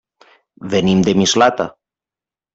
Venim de Mislata.